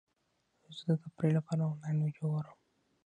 زه د تفریح لپاره انلاین ویډیو ګورم.